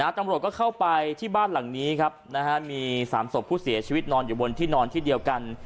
ตำรวจก็เข้าไปที่บ้านหลังนี้ครับมี๓ศพผู้เสียชีวิตนอนอยู่บนที่นอนที่เดียวกัน